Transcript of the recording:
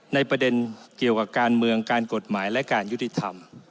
ในประเด็นเกี่ยวกับการเมืองการกฎหมายและการยุติธรรม